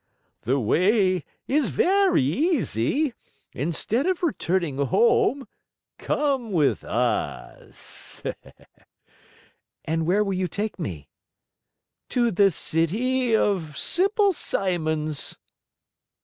"The way is very easy. Instead of returning home, come with us." "And where will you take me?" "To the City of Simple Simons."